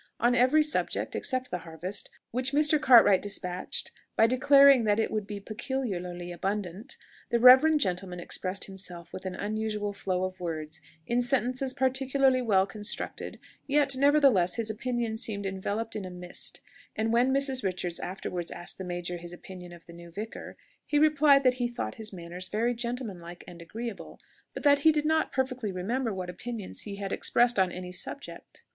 On every subject, except the harvest, which Mr. Cartwright despatched by declaring that it would be peculiarly abundant, the reverend gentleman expressed himself with an unusual flow of words, in sentences particularly well constructed; yet nevertheless his opinions seemed enveloped in a mist; and when Mrs. Richards afterwards asked the major his opinion of the new vicar, he replied that he thought his manners very gentlemanlike and agreeable, but that he did not perfectly remember what opinions he had expressed on any subject.